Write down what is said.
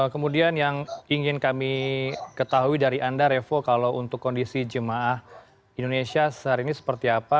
kemudian yang ingin kami ketahui dari anda revo kalau untuk kondisi jemaah indonesia sehari ini seperti apa